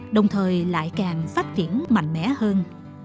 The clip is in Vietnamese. đồng thời lại càng phát triển mạnh mẽ hơn